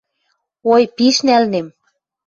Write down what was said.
Ой, пиш нӓлнем!